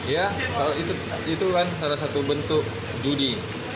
ya kalau itu kan salah satu bentuk judi